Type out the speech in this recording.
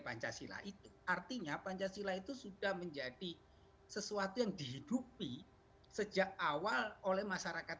pancasila itu artinya pancasila itu sudah menjadi sesuatu yang dihidupi sejak awal oleh masyarakat